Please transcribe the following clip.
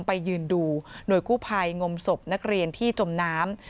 ไปยืนดูหน่วยกู้ภัยงมศพนักเรียนที่จมน้ำ